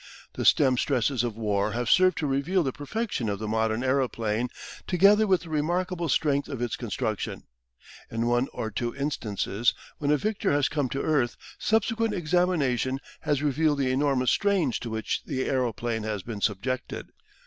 The stem stresses of war have served to reveal the perfection of the modern aeroplane together with the remarkable strength of its construction. In one or two instances, when a victor has come to earth, subsequent examination has revealed the enormous strains to which the aeroplane has been subjected.